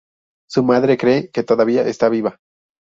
Su madre cree que todavía está viva.